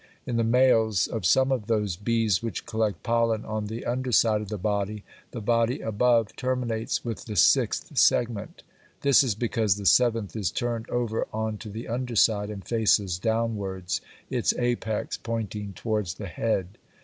In the males of some of those bees which collect pollen on the underside of the body, the body above terminates with the sixth segment. This is because the seventh is turned over on to the underside, and faces downwards, its apex pointing towards the head.